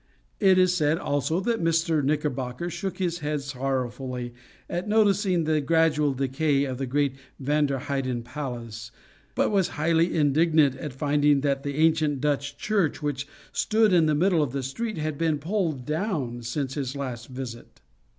It is said, also, that Mr. Knickerbocker shook his head sorrowfully at noticing the gradual decay of the great Vander Heyden palace; but was highly indignant at finding that the ancient Dutch church, which stood in the middle of the street, had been pulled down since his last visit.